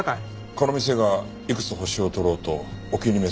この店がいくつ星を取ろうとお気に召さないと？